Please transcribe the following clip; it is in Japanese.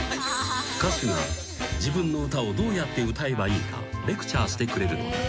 ［歌手が自分の歌をどうやって歌えばいいかレクチャーしてくれるのだ］